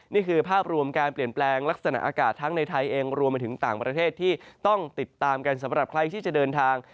นี่คือภาพรวมการเปลี่ยนแปลงลักษณะอากาศทั้งในไทยเองรวมไปถึงต่างประเทศที่ต้องติดตามกันสำหรับใครที่จะเดินทาง